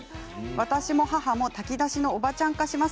私も母も炊き出しのおばちゃん化します。